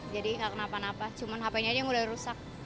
jadi gak kenapa napa cuman hp nya ini mulai rusak